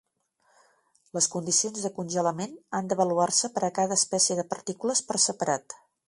Les condicions de congelament han d'avaluar-se per a cada espècie de partícules per separat.